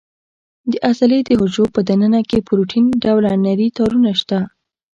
د عضلې د حجرو په دننه کې پروتین ډوله نري تارونه شته.